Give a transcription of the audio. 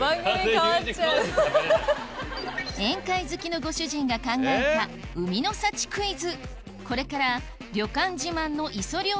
宴会好きのご主人が考えた海の幸クイズ